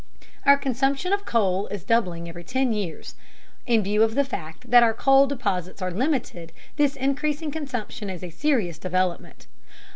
Our consumption of coal is doubling every ten years. In view of the fact that our coal deposits are limited, this increasing consumption is a serious development.